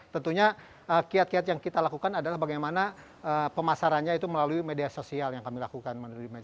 tentunya kiat kiat yang kita lakukan adalah bagaimana pemasarannya itu melalui media sosial yang kami lakukan